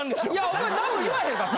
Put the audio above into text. お前何も言わへんかったん？